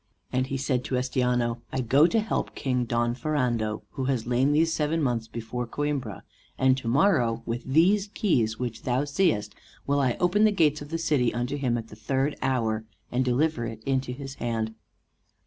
And he said to Estiano, "I go to help King Don Ferrando, who has lain these seven months before Coimbra, and to morrow, with these keys which thou seest, will I open the gates of the city unto him at the third hour, and deliver it into his hand."